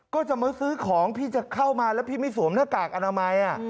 ก็จะมาซื้อของพี่จะเข้ามาแล้วพี่ไม่สวมหน้ากากอนามัย